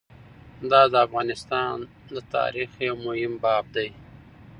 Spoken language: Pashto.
دا د افغانستان د تاریخ یو مهم باب دی.